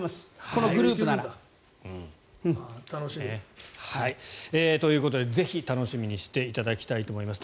このグループなら。ということでぜひ楽しみにしていただきたいと思います。